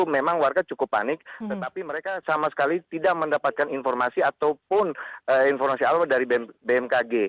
memang warga cukup panik tetapi mereka sama sekali tidak mendapatkan informasi ataupun informasi awal dari bmkg